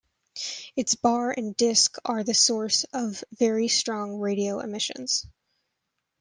Its bar and disc are the source of very strong radio emissions.